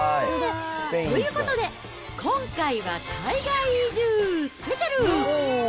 ということで、今回は海外移住スペシャル。